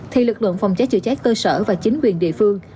thì lực lượng phòng cháy chữa cháy cơ sở và chính quyền địa phương